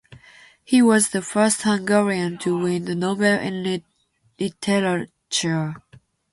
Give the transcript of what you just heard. He was the first Hungarian to win the Nobel in Literature.